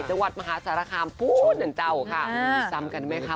จังหวัดมหาสารคามพูดหนึ่งเตาค่ะเสริมค่ะ